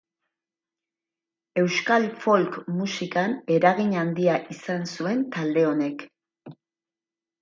Euskal folk-musikan eragin handia izan zuen talde honek.